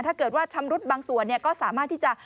ถ้าเกิดว่าชำรุดบางส่วนก็สามารถที่จะ